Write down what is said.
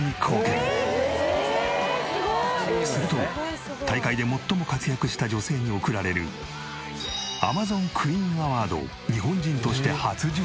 すると大会で最も活躍した女性に贈られるアマゾンクイーンアワードを日本人として初受賞。